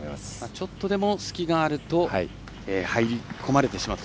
ちょっとでも隙があると入り込まれてしまうと。